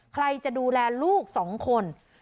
ใครจะดูแลลูก๒คน